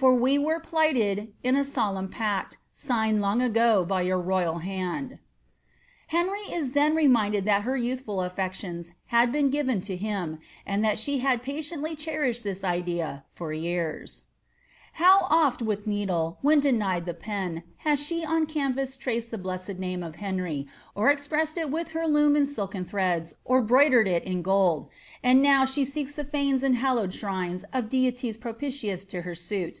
For we were plighted in a solemn pact. Signed long ago by your own royal hand/' Henry Is then reminded that her youthful aflections had been gifon I0 kiiB, anid that she had patiendy cherished this idea for yearn How oft with needle, when denied the pen, Has she on canvass traced the blessed name Of Henry, or expressed it vnth her loom In silken threads, or 'broidered it in gold ; And now she seeks the lanes and hallowed ihrinos Of deities propitious to her suit.